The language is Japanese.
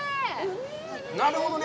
なるほどね。